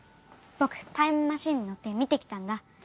僕タイムマシンに乗って見てきたんだ。